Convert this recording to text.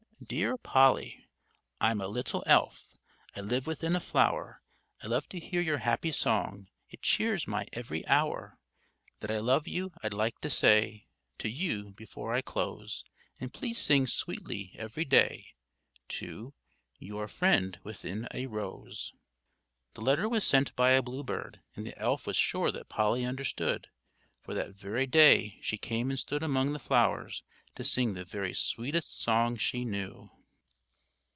"_Dear Polly: I'm a little elf I live within a flow'r; I live to hear your happy song, It cheers my ev'ry hour. That I love you, I'd like to say To you, before I close, And please sing sweetly ev'ry day To Your friend within a Rose_." The letter was sent by a bluebird; and the elf was sure that Polly understood, for that very day she came and stood among the flowers to sing the very sweetest song she knew.